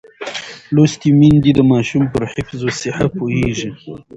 لوستې میندې د ماشوم پر حفظ الصحه پوهېږي.